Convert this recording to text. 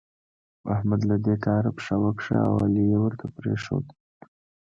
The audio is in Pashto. احمد له دې کاره پښه وکښه او علي يې ورته پرېښود.